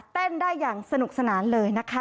ได้อย่างสนุกสนานเลยนะคะ